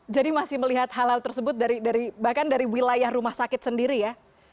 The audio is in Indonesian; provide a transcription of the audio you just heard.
jadi masih melihat hal hal tersebut bahkan dari wilayah rumah sakit sendiri ya